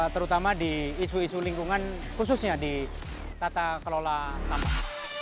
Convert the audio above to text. terutama di isu isu lingkungan khususnya di tata kelola sampah